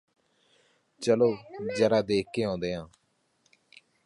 ਚਲੋ ਜ਼ਰਾ ਦੇਖ ਕੇ ਆਉਂਦੇ ਹਾਂ